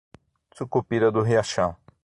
Sucupira do Riachão